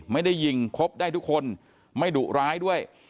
ไม่ได้ยิงครบได้ทุกคนไม่ดุร้ายด้วย